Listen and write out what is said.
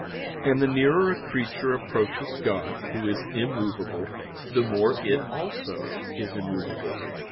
And the nearer a creature approaches God, Who is immovable, the more it also is immovable.